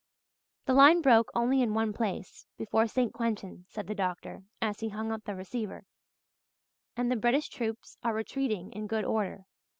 "The line broke only in one place, before St. Quentin," said the doctor, as he hung up the receiver, "and the British troops are retreating in good order.